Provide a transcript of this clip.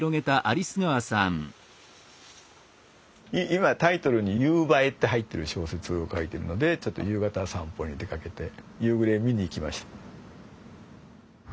今タイトルに「夕映え」って入っている小説を書いているのでちょっと夕方散歩に出かけて夕暮れを見に行きました。